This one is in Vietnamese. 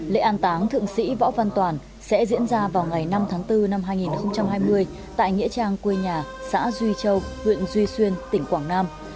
lễ an táng thượng sĩ võ văn toàn sẽ diễn ra vào ngày năm tháng bốn năm hai nghìn hai mươi tại nghĩa trang quê nhà xã duy châu huyện duy xuyên tỉnh quảng nam